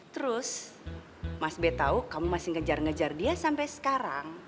terus mas b tahu kamu masih ngejar ngejar dia sampai sekarang